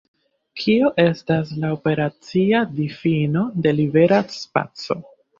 Kio estas la operacia difino de libera spaco?